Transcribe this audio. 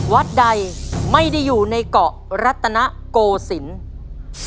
วัดใดไม่ได้อยู่ในเกาะรัตนโกศิลป์